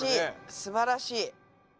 すばらしい。